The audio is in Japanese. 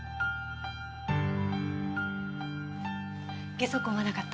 下足痕はなかった。